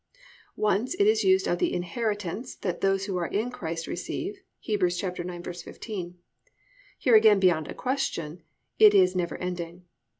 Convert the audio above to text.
Once it is used of the "inheritance" that those who are in Christ receive (Heb. 9:15). Here again beyond a question it is never ending.